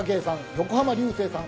横浜流星さん